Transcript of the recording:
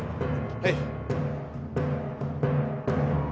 はい！